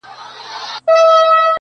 بې سرحده یې قدرت او سلطنت دئ-